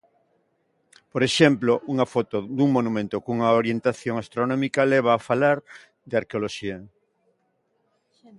Por exemplo, unha foto dun monumento cunha orientación astronómica leva a falar de arqueoloxía.